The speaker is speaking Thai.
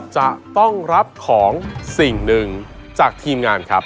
จะต้องรับของสิ่งหนึ่งจากทีมงานครับ